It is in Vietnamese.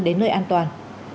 đến nơi an toàn